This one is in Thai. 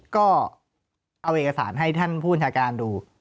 ก็เอาเอกสารให้ท่านผู้บัญชาการดู